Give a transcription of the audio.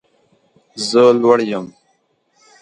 زه لوړ یم